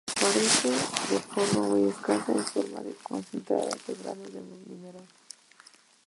Aparece de forma muy escasa, en forma de concentrados de granos del mineral.